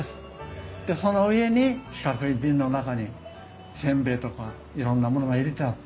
でその上に四角い瓶の中に煎餅とかいろんなものが入れてあって。